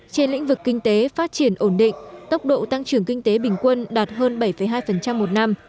trên lĩnh vực kinh tế phát triển ổn định tốc độ tăng trưởng kinh tế bình quân đạt hơn bảy hai một năm